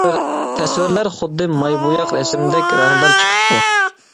تەسۋىرلەر خۇددى ماي بۇياق رەسىمدەك رەڭدار چىقىپتۇ.